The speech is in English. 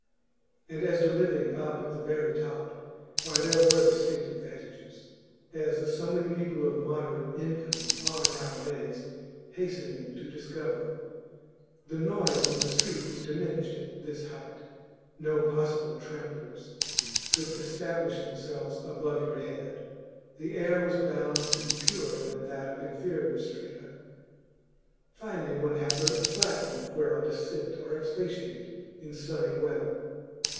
And as to living up at the very top, why, there were distinct advantages as so many people of moderate income are nowadays hastening to discover. The noise from the street was diminished at this height; no possible tramplers could establish themselves above your head; the air was bound to be purer than that of inferior strata; finally, one had the flat roof whereon to sit or expatiate in sunny weather.